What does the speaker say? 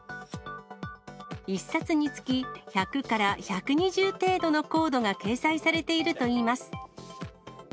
１冊につき１００から１２０程度のコードが掲載されているといいます。